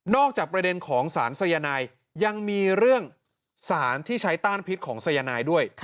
จากประเด็นของสารสายนายยังมีเรื่องสารที่ใช้ต้านพิษของสายนายด้วย